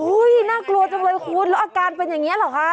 น่ากลัวจังเลยคุณแล้วอาการเป็นอย่างนี้เหรอคะ